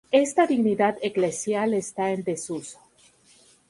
Esta dignidad eclesial está en desuso.